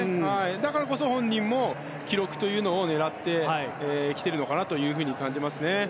だからこそ、本人も記録というのを狙ってきているのかなと感じますね。